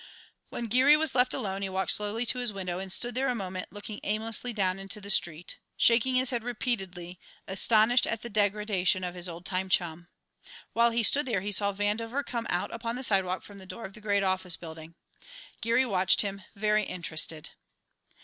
When Geary was left alone, he walked slowly to his window, and stood there a moment looking aimlessly down into the street, shaking his head repeatedly, astonished at the degradation of his old time chum. While he stood there he saw Vandover come out upon the sidewalk from the door of the great office building. Geary watched him, very interested.